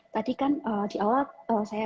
tadi kan di awal saya